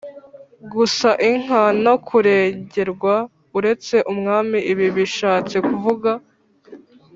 Gusa inka no kurengerwa uretse umwami ibi bishatse kuvuga